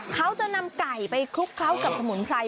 เขาจะนำไก่ไปคลุกเคล้ากับสมุนไพร